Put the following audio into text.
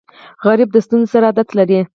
غریب د ستونزو سره عادت لري